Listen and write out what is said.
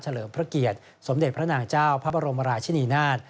เลิมพระเกียรติสมเด็จพระนางเจ้าพระบรมราชินีนาฏ